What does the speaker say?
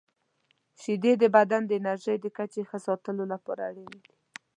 • شیدې د بدن د انرژۍ د کچې ښه ساتلو لپاره اړینې دي.